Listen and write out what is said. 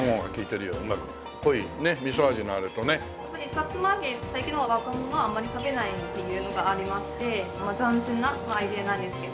さつま揚げ最近の若者があまり食べないっていうのがありまして斬新なアイデアなんですけど。